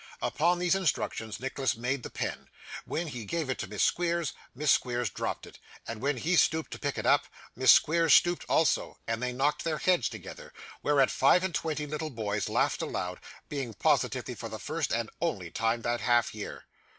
Upon these instructions Nicholas made the pen; when he gave it to Miss Squeers, Miss Squeers dropped it; and when he stooped to pick it up, Miss Squeers stooped also, and they knocked their heads together; whereat five and twenty little boys laughed aloud: being positively for the first and only time that half year.